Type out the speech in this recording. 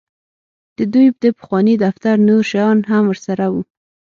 د دوی د پخواني دفتر نور شیان هم ورسره وو